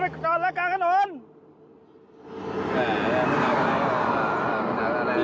ไปจอดแล้วกลางขนวน